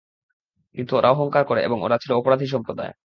কিন্তু ওরা অহংকার করে এবং ওরা ছিল অপরাধী সম্প্রদায়।